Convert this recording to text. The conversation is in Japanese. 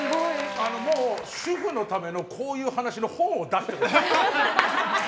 もう、主婦のためのこういう話の本を出してほしい。